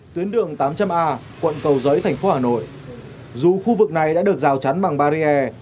tuyến đường tám trăm linh a quận cầu giấy thành phố hà nội dù khu vực này đã được rào chắn bằng barrier